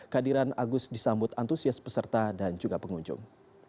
kehadiran agus disambut antusias peserta dan juga pengunjung